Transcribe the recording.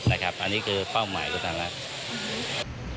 อันนี้คือเป้าหมายของทางรัฐ